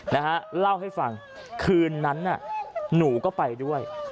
นะฮะเล่าให้ฟังคืนนั้นน่ะหนูก็ไปด้วย